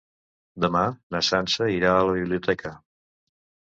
Demà na Sança irà a la biblioteca.